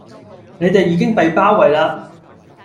你地已經被包圍啦